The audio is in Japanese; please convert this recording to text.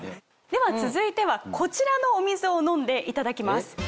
では続いてはこちらのお水を飲んでいただきます。